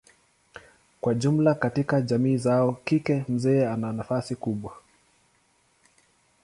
Kwa jumla katika jamii zao kike mzee ana nafasi kubwa.